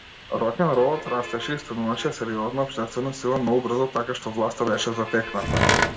Рокенролот растеше и стануваше сериозна општествена сила многу брзо, така што власта беше затекната.